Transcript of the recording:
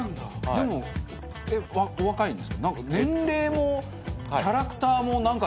でもえっお若いんですか？